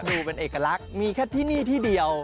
ดูเป็นเอกลักษณ์มีแค่ที่นี่ที่เดียว